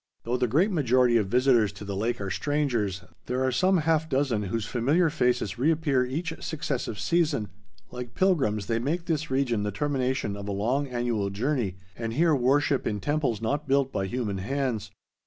Though the great majority of visitors to the lake are strangers, there are some half dozen whose familiar faces reappear each successive season; like pilgrims they make this region the termination of a long annual journey, and here worship in "temples not built by human hands."